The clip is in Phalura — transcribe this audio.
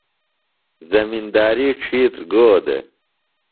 زمنداری ڇھیتر گو دےۡ؟